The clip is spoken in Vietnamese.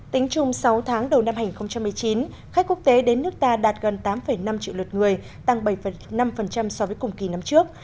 tính chung sáu tháng đầu năm hai nghìn một mươi chín khách quốc tế đến nước ta đạt gần tám năm triệu lượt người tăng bảy năm so với cùng kỳ năm trước